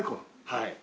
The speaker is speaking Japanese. はい。